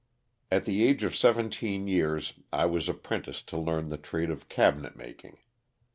At the age of seventeen years I was apprenticed to learn the trade of cabinet making.